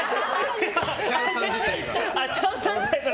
チャンさん自体が。